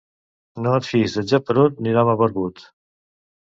No et fiïs de geperut ni d'home barbut.